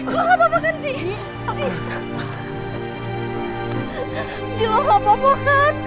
dina hati hati dina pelan pelan ya